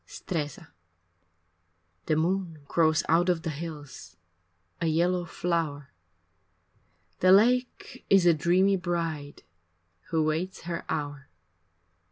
X Stresa The moon grows out of the hills A yellow flower, The lake is a dreamy bride Who waits her hour.